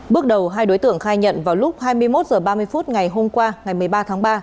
bước đầu hai đối tượng khai nhận vào lúc hai mươi một h ba mươi phút ngày hôm qua ngày một mươi ba tháng ba